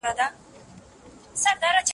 د ښوونځیو په نصاب کي د اخلاقیاتو تدریس نه و.